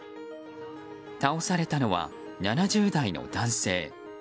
倒されたのは７０代の男性。